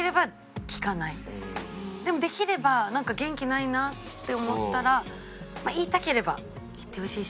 でもできればなんか元気ないなって思ったら言いたければ言ってほしいし。